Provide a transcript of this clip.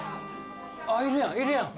いるやんいるやん。